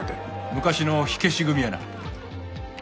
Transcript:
昔の火消し組やな。